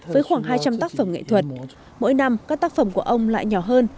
với khoảng hai trăm linh tác phẩm nghệ thuật mỗi năm các tác phẩm của ông lại nhỏ hơn